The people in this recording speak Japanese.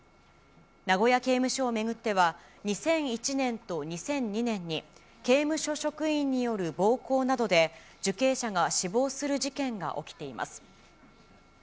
名古屋刑務所を巡っては、２００１年と２００２年に、刑務所職員による暴行などで、受刑者が死亡する事件が起きています。